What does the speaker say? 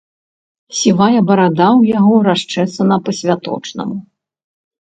Сівая барада ў яго расчэсана па-святочнаму.